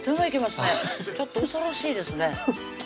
ちょっと恐ろしいですね